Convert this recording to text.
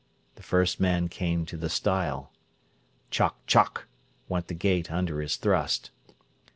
The first man came to the stile. "Chock chock!" went the gate under his thrust.